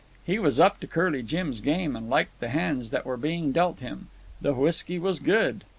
He was up to Curly Jim's game, and liked the hands that were being dealt him. The whisky was good.